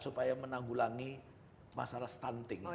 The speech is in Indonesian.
supaya menanggulangi masalah stunting